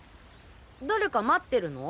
誰か待ってるの？